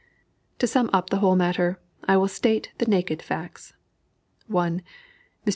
To sum up the whole matter, I will state the naked facts. 1. Mr.